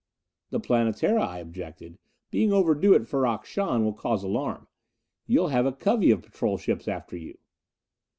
"The Planetara," I objected, "being overdue at Ferrok Shahn, will cause alarm. You'll have a covey of patrol ships after you."